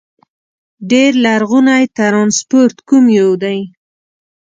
ډېر لرغونی ترانسپورت کوم یو دي؟